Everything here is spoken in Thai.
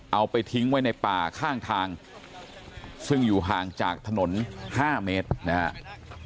เอาไปทิ้งไว้ในป่าข้างทางซึ่งอยู่ห่างจากถนน๕เมตรนะครับ